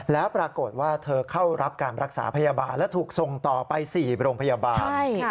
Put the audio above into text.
แล้วปรากฏว่าเธอเข้ารับการรักษาพยาบาลและถูกส่งต่อไป๔โรงพยาบาล